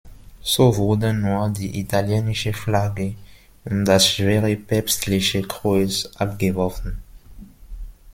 So wurden nur die italienische Flagge und das schwere päpstliche Kreuz abgeworfen.